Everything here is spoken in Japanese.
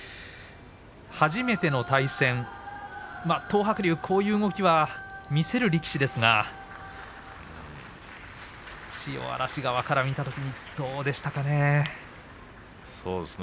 初めての対戦東白龍、こういう動きは見せる力士ですが千代嵐側から見たらどうでしたかね。